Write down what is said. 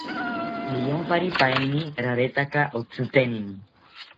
Niyomparipaeni raretaka otzitenini